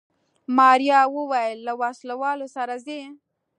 ماريا وويل له وسله والو سره ځي.